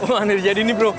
wah aneh jadi ini bro